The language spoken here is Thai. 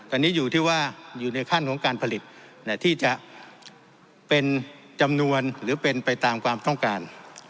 อันนี้อยู่ที่ว่าอยู่ในขั้นของการผลิตที่จะเป็นจำนวนหรือเป็นไปตามความต้องการ